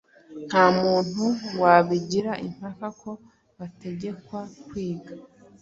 Nta muntu wabigira impaka ko bategekwa kwiga